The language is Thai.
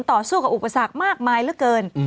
ต่อสู้กับอุปสรรคมากมายเหลือเกิน